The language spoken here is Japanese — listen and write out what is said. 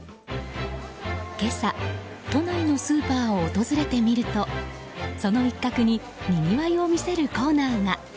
今朝、都内のスーパーを訪れてみるとその一角ににぎわいを見せるコーナーが。